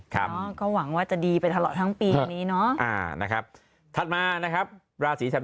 ครับก็หวังว่าจะดีไปทั้งปีนี้นะครับถัดมานะครับราศีถัด